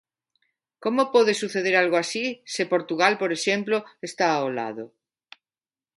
Como pode suceder algo así se Portugal, por exemplo, está ao lado?